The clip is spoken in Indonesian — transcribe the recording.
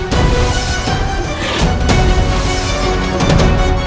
saya sudah berusaha menggabungkannya